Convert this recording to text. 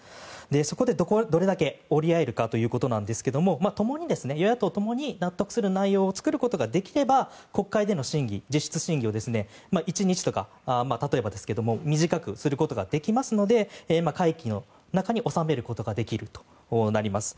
そこでどれだけ折り合えるかですが与野党ともに納得する内容を作ることができれば国会での審議、実質審議を１日とか、例えばですけども短くすることができますので会期の中に収めることができるということになります。